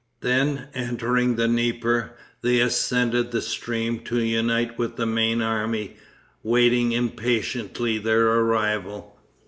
Then entering the Dnieper they ascended the stream to unite with the main army waiting impatiently their arrival.